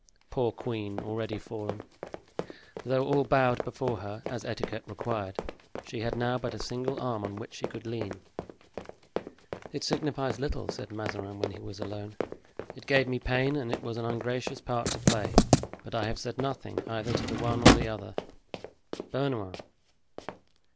Poor queen, already fallen! Though all bowed before her, as etiquette required, she had now but a single arm on which she could lean. "It signifies little," said Mazarin, when he was alone. "It gave me pain and it was an ungracious part to play, but I have said nothing either to the one or to the other. Bernouin!"